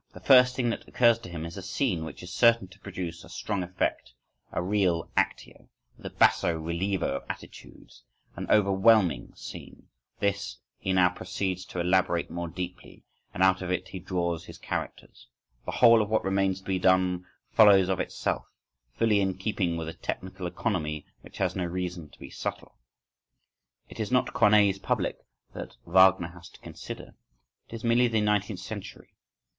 The first thing that occurs to him is a scene which is certain to produce a strong effect, a real actio,(10) with a basso relievo of attitudes; an overwhelming scene, this he now proceeds to elaborate more deeply, and out of it he draws his characters. The whole of what remains to be done follows of itself, fully in keeping with a technical economy which has no reason to be subtle. It is not Corneille's public that Wagner has to consider, it is merely the nineteenth century.